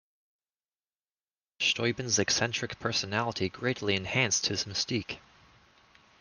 Steuben's eccentric personality greatly enhanced his mystique.